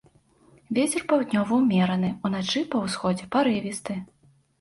Вецер паўднёвы ўмераны, уначы па ўсходзе парывісты.